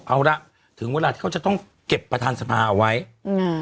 เอาละถึงเวลาที่เขาจะต้องเก็บประธานสภาเอาไว้อืม